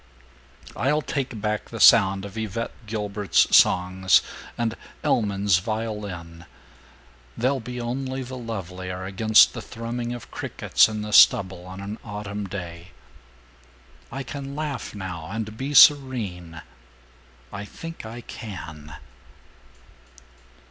"I'll take back the sound of Yvette Guilbert's songs and Elman's violin. They'll be only the lovelier against the thrumming of crickets in the stubble on an autumn day. "I can laugh now and be serene ... I think I can."